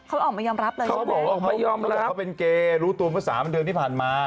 รู้ตัวเขาเป็นเกย์รู้ตัวเมื่อสามเดือนที่ผ่านมา